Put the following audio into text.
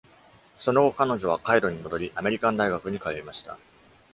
その後彼女はカイロに戻り、アメリカン大学に通いました。